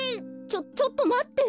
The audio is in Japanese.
ちょちょっとまって。